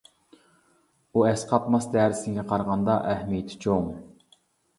ئۇ ئەسقاتماس دەرسىڭگە قارىغاندا ئەھمىيىتى چوڭ.